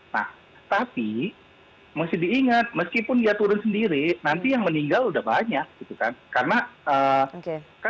nah tapi mesti diingat meskipun dia turun sendiri nanti yang menilai itu itu tidak akan beres beres masalah